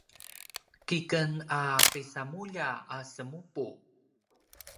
kiken a kisamulja a semupu